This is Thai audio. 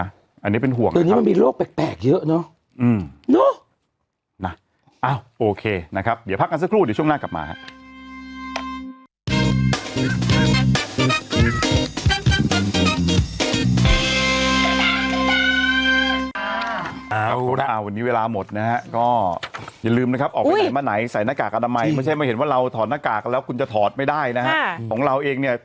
อันนี้เป็นห่วงนะครับอเจมส์ตอนนี้มันมีโรคแปลกเยอะเนอะ